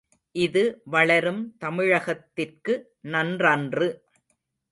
இது வளரும் தமிழகத்திற்கு நன்றன்று.